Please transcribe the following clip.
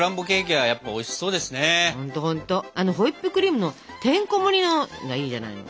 あのホイップクリームのてんこもりのがいいじゃないの。